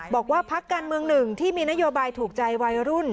บอกว่าพักการเมืองหนึ่งที่มีนโยบายถูกใจวัยรุ่น